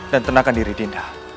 dan tenangkan diri dinda